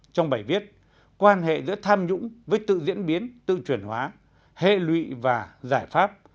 trong bài viết quan hệ giữa tham nhũng với tự diễn biến tự chuyển hóa hệ lụy và giải pháp